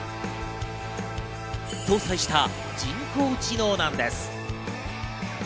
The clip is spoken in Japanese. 搭載した人工知能なんです。